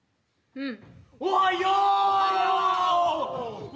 うん。